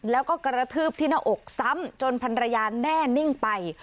แล้วก็กระทืบที่หน้าอกซ้ำจนพันรยาแน่นิ่งไป